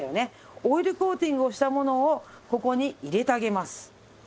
オイルコーティングをしたものをここに入れてあげます。